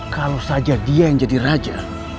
kalau saja dia yang jadi raja